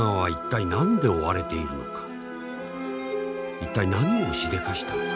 一体何をしでかしたのか。